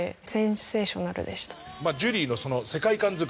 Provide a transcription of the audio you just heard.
ジュリーの世界観づくり